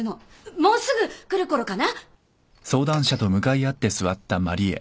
もうすぐ来るころかな。